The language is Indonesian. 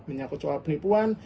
menyangkut soal penipuan